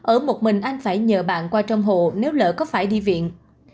ở một mình anh phải nhờ bạn qua trong hộ nếu lỡ có phải đi viện